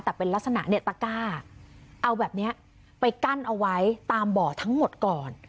แต่เป็นลักษณะเนี่ยตะก้าเอาแบบนี้ไปกั้นเอาไว้ตามบ่อทั้งหมดก่อน